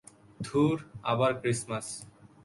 ধুর, আবার ক্রিসমাস!